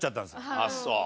あっそう。